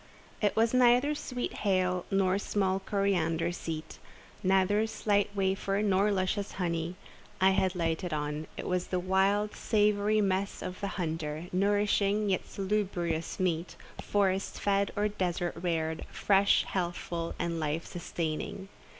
It was neither sweet hail nor small coriander seed—neither slight wafer, nor luscious honey, I had lighted on; it was the wild, savoury mess of the hunter, nourishing and salubrious meat, forest fed or desert reared, fresh, healthful, and life sustaining.